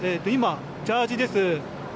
ジャージーです。